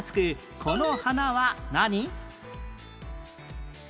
この花は何？